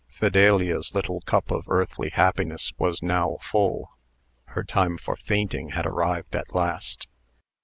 Fidelia's little cup of earthly happiness was now full. Her time for fainting had arrived at last.